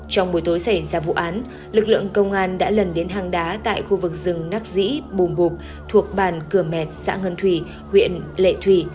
trong buổi tối xảy ra vụ án lực lượng công an đã lần đến hàng đá tại khu vực rừng nắc dĩ bùm bụp thuộc bàn cửa met xã ngân thủy huyện lệ thủy